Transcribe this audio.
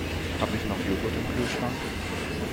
Habe ich noch Joghurt im Kühlschrank?